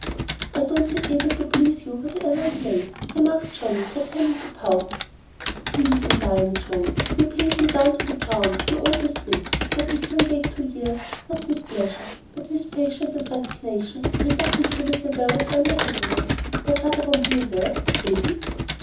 "I don't seem able to please you, whatever I say," remarked Johnnie, pretending to pout. "Please me, darling Joan! You please me down to the ground, and you always did! But if you'll wait two years, not with pleasure, but with patience and resignation, I'll buckle to with a will and earn my happiness. Your father won't be averse, will he?"